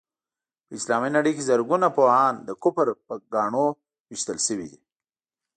په اسلامي نړۍ کې زرګونه پوهان د کفر په ګاڼو ويشتل شوي دي.